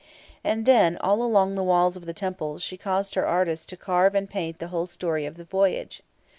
And then, all along the walls of the temple, she caused her artists to carve and paint the whole story of the voyage.